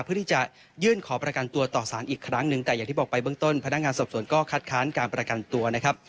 เพื่อที่จะยื่นขอประกันตัวต่อสารอีกครั้งหนึ่งแต่อย่างที่บอกไปเบื้องต้นพนักงานสอบสวนก็คัดค้านการประกันตัวนะครับ